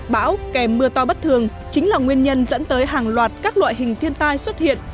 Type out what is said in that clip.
bão kèm mưa to bất thường chính là nguyên nhân dẫn tới hàng loạt các loại hình thiên tai xuất hiện